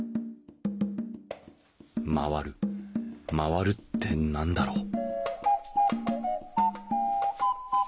「まわる」「まわる」って何だろう？